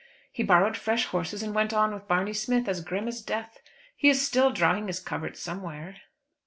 He borrowed fresh horses, and went on with Barney Smith as grim as death. He is still drawing his covert somewhere."